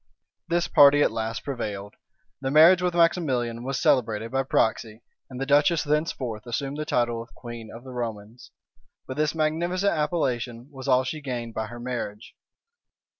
{1490.} This party at last prevailed; the marriage with Maximilian was celebrated by proxy; and the duchess thenceforth assumed the title of queen of the Romans. But this magnificent appellation was all she gained by her marriage.